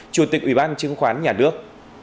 chủ tịch ủy ban chứng khoán nhà nước